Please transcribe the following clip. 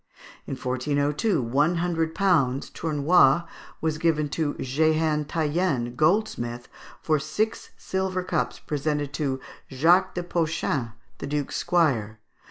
In 1402, one hundred pounds (tournois) were given to Jehan Taienne, goldsmith, for six silver cups presented to Jacques de Poschin, the Duke's squire.